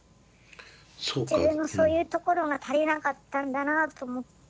自分のそういうところが足りなかったんだなあと思って。